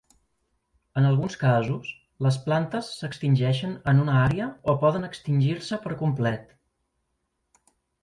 En alguns casos, les plantes s'extingeixen en una àrea o poden extingir-se per complet.